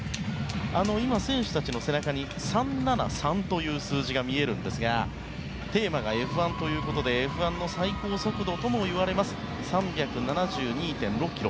選手たちの背中に３７３という数字が見えるんですがテーマがＦ１ということでＦ１の最高速度ともいわれる３７２．６キロ。